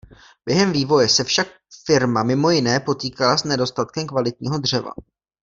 Během vývoje se však firma mimo jiné potýkala s nedostatkem kvalitního dřeva.